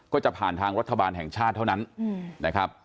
ก็จะผ่านทางรัฐบาลแห่งชาติเท่านั้นนะครับ